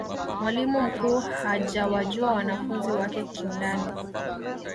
mwalimu mkuu hajawajua wanafunzi wake kiundani